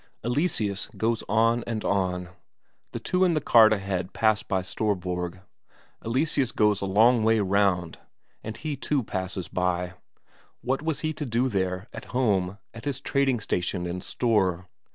Eleseus goes on and on. The two in the cart ahead pass by Storborg. Eleseus goes a long way round, and he too passes by; what was he to do there, at home, at his trading station and store?